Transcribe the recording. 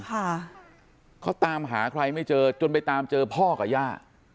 ค่ะเขาตามหาใครไม่เจอจนไปตามเจอพ่อกับย่า